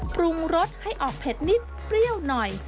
ปรุงรสให้ออกเผ็ดนิดเปรี้ยวหน่อย